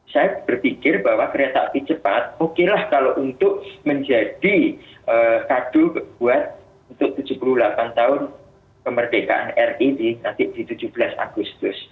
saya berpikir bahwa kereta api cepat oke lah kalau untuk menjadi kadu buat untuk tujuh puluh delapan tahun pemberdekaan ri di tujuh belas agustus